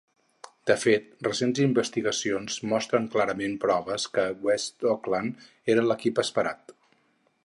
De fet, recents investigacions mostren clarament proves que West Auckland era l'equip esperat.